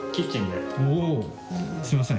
すみません。